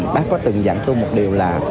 bác có từng dặn tôi một điều là